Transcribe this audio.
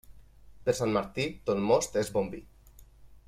Per Sant Martí, ton most és bon vi.